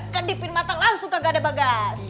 kedipin mata langsung gak ada bagas